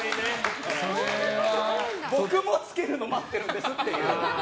僕もつけるの待ってるんですっていう。